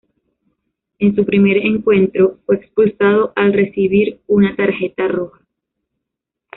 En su primer encuentro fue expulsado al recibir una tarjeta roja.